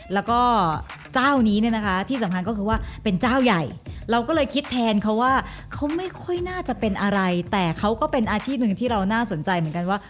แล้วก็เจ้านี้เนี่ยนะคะที่สำคัญก็คือว่าเป็นเจ้าใหญ่เราก็เลยคิดแทนเขาว่าเขาไม่ค่อยน่าจะเป็นอะไรแต่เขาก็เป็นอาชีพหนึ่งที่เราน่าสนใจเหมือนกันว่า